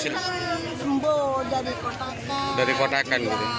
saya sudah berada di situbondo